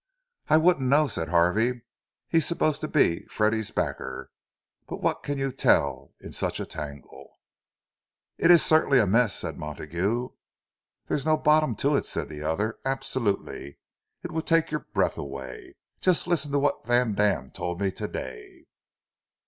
"I wouldn't know," said Harvey. "He's supposed to be Freddie's backer—but what can you tell in such a tangle?" "It is certainly a mess," said Montague. "There's no bottom to it," said the other. "Absolutely—it would take your breath away! Just listen to what Vandam told me to day!"